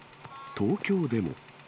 東京でも。